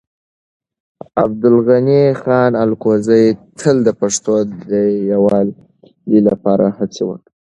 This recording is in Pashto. عبدالغني خان الکوزی تل د پښتنو د يووالي لپاره هڅې کولې.